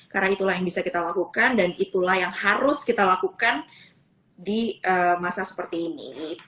karena itulah yang bisa kita lakukan dan itulah yang harus kita lakukan di masa seperti ini